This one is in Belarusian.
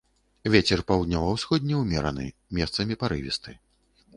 Вецер паўднёва-ўсходні ўмераны, месцамі парывісты.